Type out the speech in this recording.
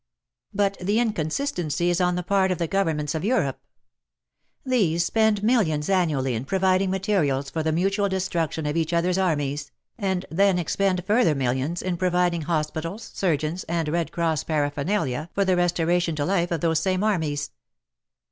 But the Inconsistency is on the part of the governments of Europe. These spend millions annually in providing materials for the mutual destruction of each other's armies, and then expend further millions In providing hospitals, surgeons, and Red Cross parapher nalia for the restoration to life of those same armies.